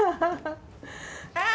ああ！